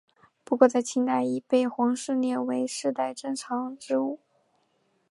不过在清代已被皇室列为世代珍藏之物。